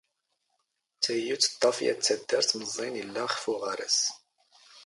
ⵜⴰⵢⵢⵓ ⵜⵟⵟⴰⴼ ⵢⴰⵜ ⵜⴰⴷⴷⴰⵔⵜ ⵎⵥⵥⵉⵏ ⵉⵍⵍⴰ ⵅⴼ ⵓⵖⴰⵔⴰⵙ